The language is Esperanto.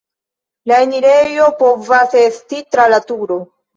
La enirejo povas esti tra la turo.